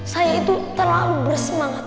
saya itu terlalu bersemangat